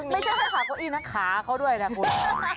ไม่ใช่แค่ขาเก้าอี้นะขาเขาด้วยนะคุณ